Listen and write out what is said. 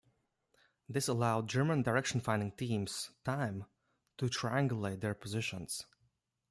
This allowed German direction finding teams time to triangulate their positions.